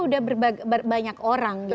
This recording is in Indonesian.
udah banyak orang